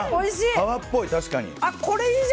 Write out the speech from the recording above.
皮っぽいですね、確かに。